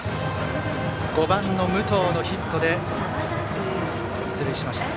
５番、武藤のヒットで出塁しました。